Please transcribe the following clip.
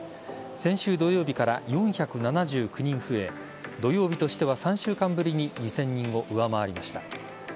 先週土曜日から４７９人増え土曜日としては３週間ぶりに２０００人を上回りました。